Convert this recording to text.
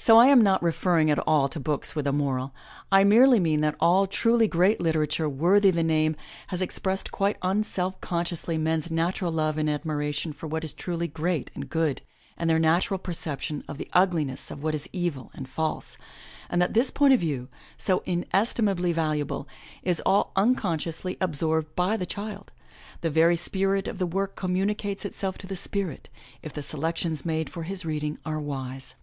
So I am not referring at all to books with a moral. I merely mean that all truly great literature worthy the name has expressed quite unself conciously men*s natural love and admiration for what is truly great and good and their natural perception of the ugliness of what is evil and false, and that this point of view, so in estimably valuable, is all unconsciously absorbed by the child, the very spirit of the work communicates itself to his spirit, if the selections made for his reading are wise.